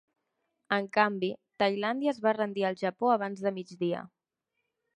En canvi, Tailàndia es va rendir al Japó abans de migdia.